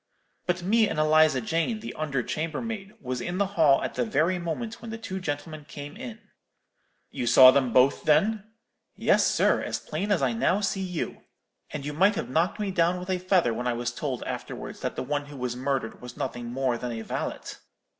But me and Eliza Jane, the under chambermaid, was in the hall at the very moment when the two gentlemen came in.' "'You saw them both, then?' "'Yes, sir, as plain as I now see you. And you might have knocked me down with a feather when I was told afterwards that the one who was murdered was nothing more than a valet.'